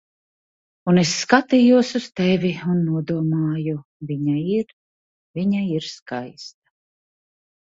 Un es skatījos uz tevi un nodomāju: "Viņa ir... Viņa ir skaista."